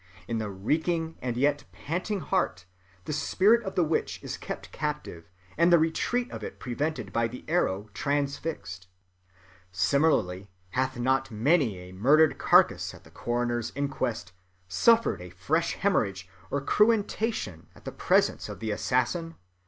In the reeking and yet panting heart, the spirit of the witch is kept captive, and the retreat of it prevented by the arrow transfixed. Similarly hath not many a murdered carcase at the coroner's inquest suffered a fresh hæmorrhage or cruentation at the presence of the assassin?